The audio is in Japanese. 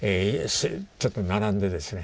ちょっと並んでですね